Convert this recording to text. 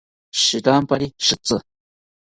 Shirampari shitzi